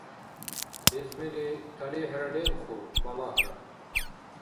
Лезмили талихӀра лебху, балагьра.